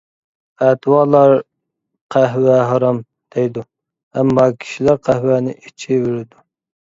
پەتىۋالار «قەھۋە ھارام» دەيدۇ، ئەمما كىشىلەر قەھۋەنى ئىچىۋېرىدۇ.